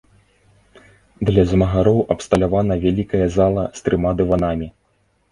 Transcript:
Для змагароў абсталяваны вялікі зала з трыма дыванамі.